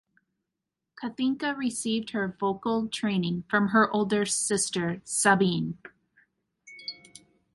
Kathinka received her vocal training from her older sister Sabine.